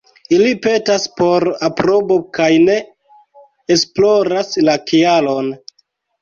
Ili petas por aprobo kaj ne esploras la kialon.